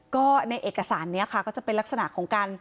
ก็ในเอกสารนี้ค่ะก็จะเป็นลักษณะของการ